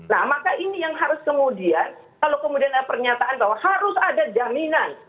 nah maka ini yang harus kemudian kalau kemudian ada pernyataan bahwa harus ada jaminan